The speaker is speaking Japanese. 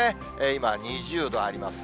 今２０度あります。